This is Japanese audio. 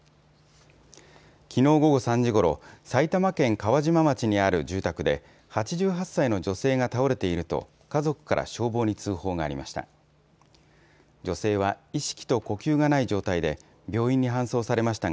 きのう午後３時ごろ、埼玉県川島町にある住宅で、８８歳の女性が倒れていると、家族から消防に通報がありました。